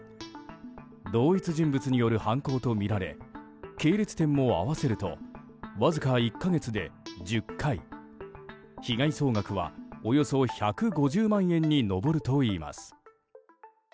同一人物による犯行とみられ系列店も合わせるとわずか１か月で１０回被害総額はおよそ１５０万円に上るといいます。